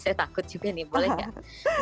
saya takut juga nih boleh nggak